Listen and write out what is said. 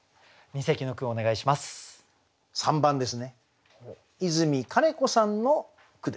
特選の弁をお願いします。